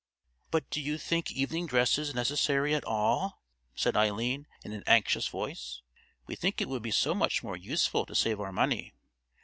"But do you think evening dresses necessary at all?" said Eileen in an anxious voice. "We think it would be so much more useful to save our money.